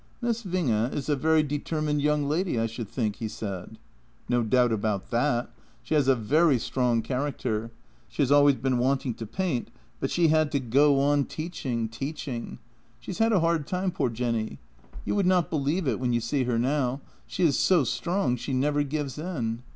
" Miss Winge is a very determined young lady, I should think," he said. "No doubt about that! She has a very strong character; she has always been wanting to paint, but she had to go on 62 JENNY teaching, teaching! She has had a hard time, poor Jenny. You would not believe it when you see her now. She is so strong, she never gives in.